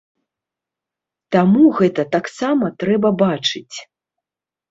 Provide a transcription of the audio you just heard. Таму гэта таксама трэба бачыць.